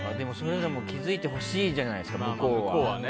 気づいてほしいじゃないですか向こうは。